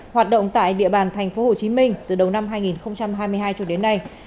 hoạt động tại địa bàn tp hồ chí minh từ đầu năm hai nghìn hai mươi hai cho đến nay